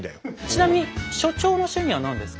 ちなみに所長の趣味は何ですか？